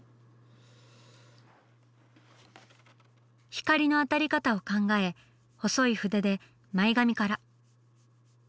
光の当たり方を考え細い筆で前髪から。